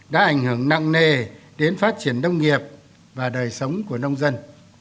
đã ảnh hưởng nặng nề đến phát triển nông nghiệp và đời sống của nông dân